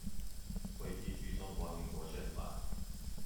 會依據中華民國憲法